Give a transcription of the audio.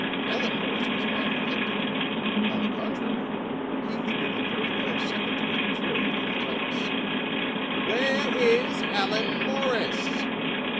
Allan Morris was not neglected; on the contrary, he figured a very close second to his betrothed in the types. "_Where is Allan Morris?